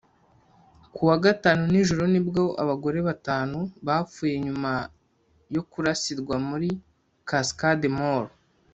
Ku wa Gatanu nijoro nibwo abagore batanu bapfuye nyuma yo kurasirwa muri Cascade Mall